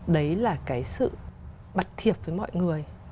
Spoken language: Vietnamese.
đấy là cái sự bật thiệp với mọi người